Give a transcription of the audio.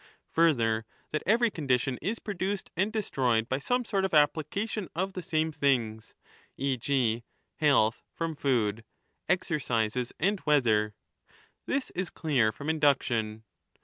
Further, that every condition is produced and destroyed by some sort . of application of the same things, e.g. health from food, exer cises, and weather.^ This is clear from induction.